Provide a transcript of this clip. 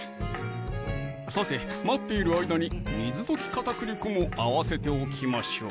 さて待ってる間に水溶き片栗粉も合わせておきましょう！